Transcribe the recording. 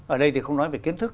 ở đây thì không nói về kiến thức